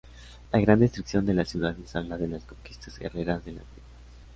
La gran destrucción de las ciudades habla de las conquistas guerreras de las mismas.